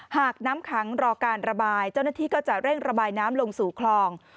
หากน้ำขังรอการระบายเจ้าหน้าที่ก็จะเร่งระบายน้ำลงสู่คลอง